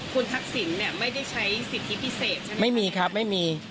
คุณทักศิลป์ไม่ได้ใช้สิทธิพิเศษใช่ไหมครับไม่มีครับไม่มี